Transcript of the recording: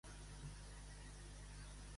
Adéu, acabi de passar un bon Nadal.